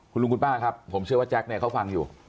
คุณลุงคุณป้าครับผมเชื่อว่าแจ็คเนี่ยเขาฟังอยู่